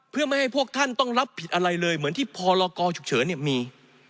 เพื่อไม่ให้พวกท่านต้องรับผิดอะไรเลยเหมือนที่พรกรฉุกเฉินมี